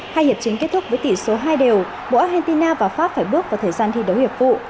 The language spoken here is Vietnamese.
hai hiệp chính kết thúc với tỷ số hai đều buộc argentina và pháp phải bước vào thời gian thi đấu hiệp vụ